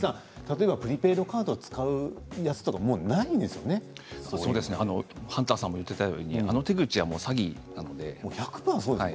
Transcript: プリペイドカードを使うとかハンターさんも言っていたようにあの手口は詐欺です。